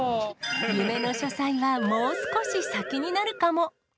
夢の書斎はもう少し先になるかも。